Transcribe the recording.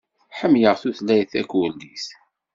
Ḥemmleɣ tutlayt takurdit.